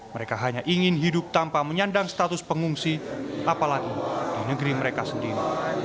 mereka hanya ingin hidup tanpa menyandang status pengungsi apalagi di negeri mereka sendiri